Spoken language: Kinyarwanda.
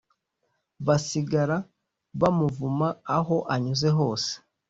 Basigara bamuvuma aho anyuze hose